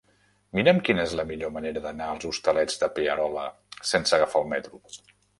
Mira'm quina és la millor manera d'anar als Hostalets de Pierola sense agafar el metro.